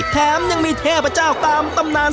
แถมยังมีเทพเจ้าตามตำนาน